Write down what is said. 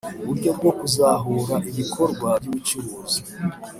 uburyo bwo kuzahura ibikorwa by’ubucuruzi